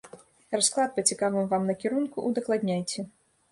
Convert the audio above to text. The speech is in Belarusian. Расклад па цікавым вам накірунку ўдакладняйце.